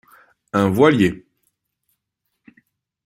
Un voilier.